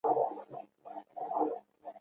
高年级采用传统式教学。